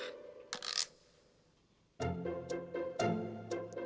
ya kita bisa ke rumah